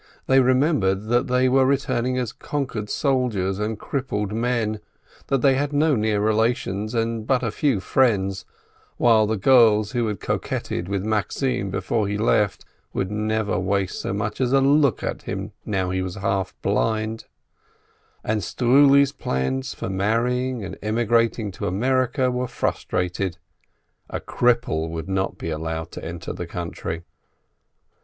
They remembered that they were returning as conquered soldiers and crippled men, that they had no near relations and but few friends, while the girls who had coquetted with Maxim before he left would never waste so much as a look on him now he was half blind; and Struli's plans for marrying and emigrating to America were frustrated : a cripple would not be allowed to enter the country.